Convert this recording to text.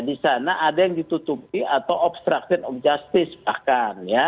di sana ada yang ditutupi atau obstruction of justice bahkan ya